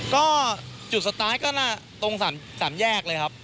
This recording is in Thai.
ก็จุดสตาร์ทก็ตรงสามแยกเลยครับ